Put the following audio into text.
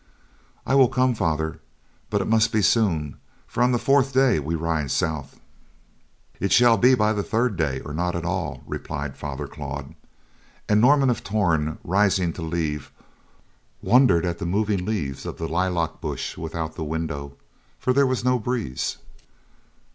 "I will come, Father, but it must be soon for on the fourth day we ride south." "It shall be by the third day, or not at all," replied Father Claude, and Norman of Torn, rising to leave, wondered at the moving leaves of the lilac bush without the window, for there was no breeze.